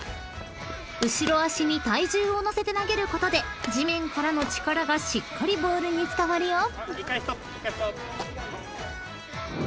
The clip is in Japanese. ［後ろ足に体重を乗せて投げることで地面からの力がしっかりボールに伝わるよ］